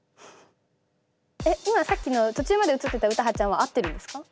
今さっきの途中まで映ってた詩羽ちゃんは合ってるんですか？